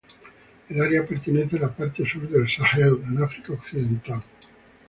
El área pertenece a la parte sur del Sahel en África Occidental.